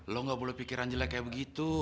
lo nggak perlu pikiran jelek kayak begitu